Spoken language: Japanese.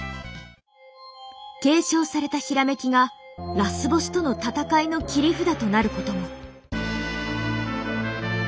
継承された閃きがラスボスとの戦いの切り札となることも。